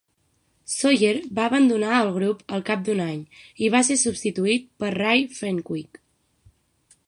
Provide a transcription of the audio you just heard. Sawyer va abandonar el grup al cap d'un any i va ser substituït per Ray Fenwick.